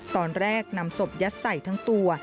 ตอนแรกนำศพยัดใส่ทั้งตัว